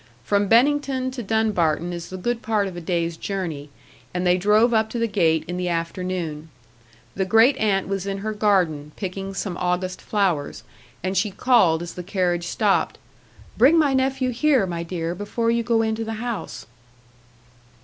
From Bennington to Dunbarton is the good part of a day's journey, and they drove up to the gate in the afternoon. The great aunt was in her garden, picking some August flowers, and she called as the carriage stopped, "Bring my nephew here, my dear, before you go into the house."